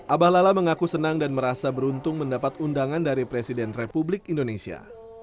abah lala mengaku senang dan merasa beruntung mendapat undangan dari presiden republik indonesia